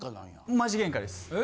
マジゲンカです。え！？